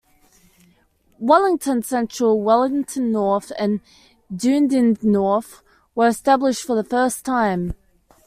Wellington Central, Wellington North, and Dunedin North were established for the first time.